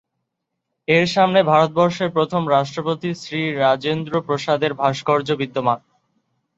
এর সামনে ভারতবর্ষের প্রথম রাষ্ট্রপতি, শ্রী রাজেন্দ্র প্রসাদের ভাস্কর্য বিদ্যমান।